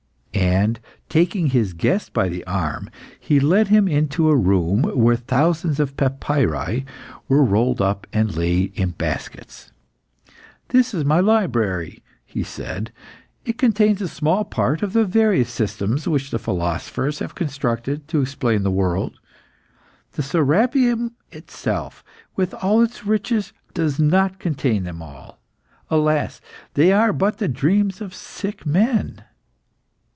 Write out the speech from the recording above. And, taking his guest by the arm, he led him into a room where thousands of papyri were rolled up and lay in baskets. "This is my library," he said. "It contains a small part of the various systems which the philosophers have constructed to explain the world. The Serapeium itself, with all its riches, does not contain them all. Alas! they are but the dreams of sick men."